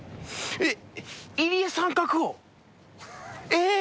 えっ！？